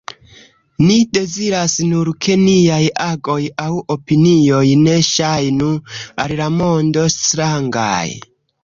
Ni deziras nur ke niaj agoj aŭ opinioj ne ŝajnu al la mondo strangaj.